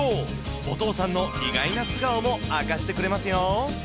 お父さんの意外な素顔も明かしてくれますよ。